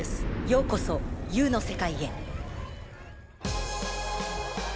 「ようこそＵの世界へ」。